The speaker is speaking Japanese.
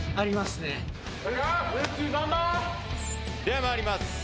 では参ります。